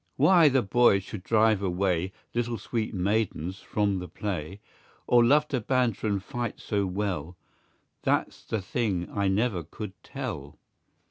Why the boys should drive away, Little sweet maidens from the play, Or love to banter and fight so well, That's the thing I never could tell.